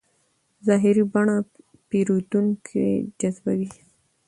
ظاهري بڼه پیرودونکی جذبوي.